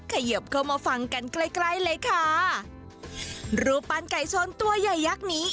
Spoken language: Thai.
เขยิบเข้ามาฟังกันใกล้ใกล้เลยค่ะรูปปั้นไก่ชนตัวใหญ่ยักษ์นี้